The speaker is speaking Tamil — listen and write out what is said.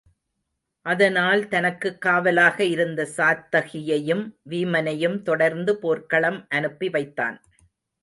அதனால் தனக்குக் காவலாக இருந்த சாத்தகியையும் வீமனையும் தொடர்ந்துபோர்க்களம் அனுப்பி வைத்தான்.